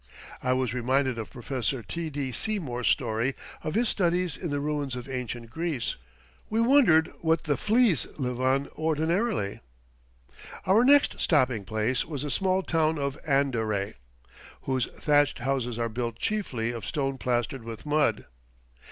I was reminded of Professor T. D. Seymour's story of his studies in the ruins of ancient Greece. We wondered what the fleas live on ordinarily. Our next stopping place was the small town of Andaray, whose thatched houses are built chiefly of stone plastered with mud.